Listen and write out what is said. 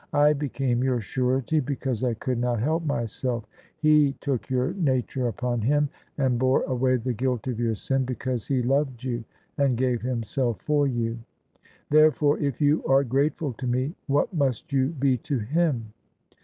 I became your surety because I could not help myself: He took your nature THE SUBJECTION upon Him and tx)re away the guilt of your sin, because He loved you and gave Himself for you. Therefore if you are grateful to me, what must you be to Him?